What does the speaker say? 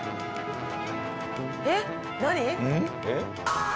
えっ何？